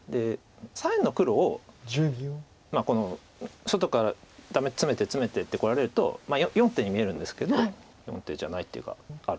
左辺の黒を外からダメツメてツメてってこられると４手に見えるんですけど４手じゃない手があるか。